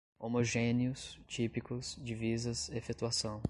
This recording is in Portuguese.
homogêneos, típicos, divisas, efetuação